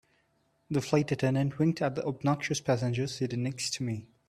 The flight attendant winked at the obnoxious passenger seated next to me.